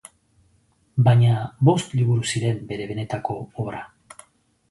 Baina bost liburu ziren bere benetako obra.